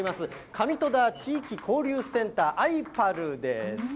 上戸田地域交流センターあいパルです。